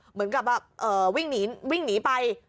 เหมือนกับแบบว่าก่อนวิ่งหนีไป